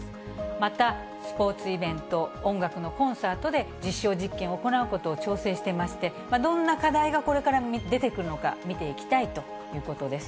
また、スポーツイベント、音楽のコンサートで実証実験を行うことを調整していまして、どんな課題がこれから出てくるのか、見ていきたいということです。